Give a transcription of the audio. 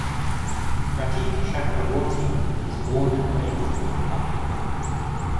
Prateek Chakravorty was born and raised in Mumbai.